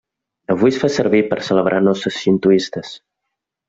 Avui es fa servir per celebrar noces xintoistes.